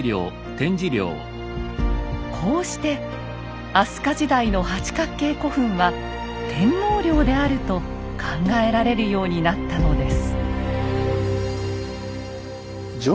こうして飛鳥時代の八角形古墳は天皇陵であると考えられるようになったのです。